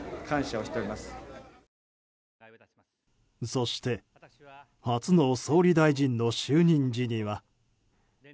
そして、初の総理大臣の就任時には。